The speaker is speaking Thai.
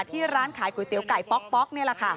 ที่ร้านขายก๋วยเตี๋ยไก่ป๊อกนี่แหละค่ะ